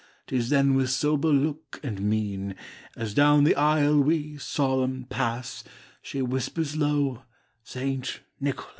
Tis then with sober look, and mein, As down the aisle we, solemn, pass, She whispers low, 'St. Nicholas.